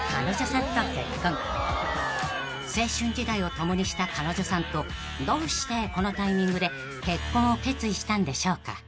［青春時代を共にした彼女さんとどうしてこのタイミングで結婚を決意したんでしょうか］